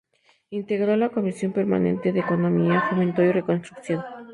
Integró la Comisión Permanente de Economía, Fomento y Reconstrucción.